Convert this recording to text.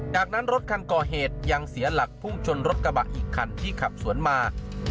จากนั้นรถคันก่อเหตุยังเสียหลักพุ่งชนรถกระบะอีกคันที่ขับสวนมา